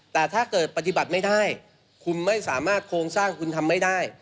แต่ถ้าเกิดปฏิบัติไม่ได้คุณไม่สามารถโครงสร้างคุณทำไม่ได้